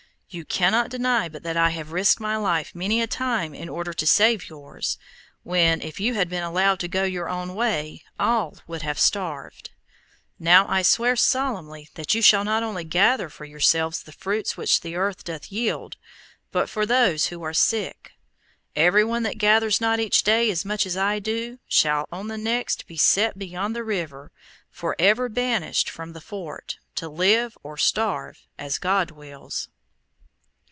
You cannot deny but that I have risked my life many a time in order to save yours, when, if you had been allowed to go your own way, all would have starved. Now I swear solemnly that you shall not only gather for yourselves the fruits which the earth doth yield, but for those who are sick. Every one that gathers not each day as much as I do, shall on the next day be set beyond the river, forever banished from the fort, to live or starve as God wills."